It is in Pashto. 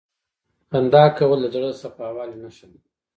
• خندا کول د زړه د صفا والي نښه ده.